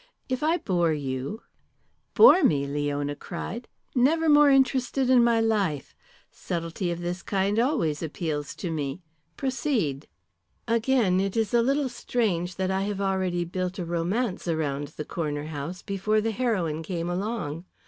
If I bore you " "Bore me!" Leona cried. "Never more interested in my life. Subtlety of this kind always appeals to me. Proceed." "Again, it is a little strange that I have already built a romance round the Corner House before the heroine came along.